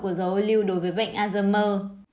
của dầu ô lưu đối với bệnh alzheimer